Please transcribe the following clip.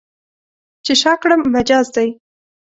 چې شا کړم، مجاز دی.